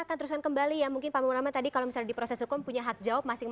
dari partai bulan bintang